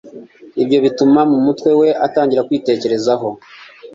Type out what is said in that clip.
ibyo bihita bituma mu mutwe we atangira kwitekerereza ho